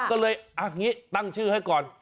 อันนี้ตั้งชื่อให้ก่อน